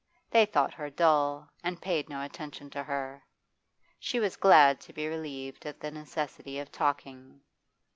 They thought her dull; and paid no attention to her. She was glad to be relieved of the necessity of talking.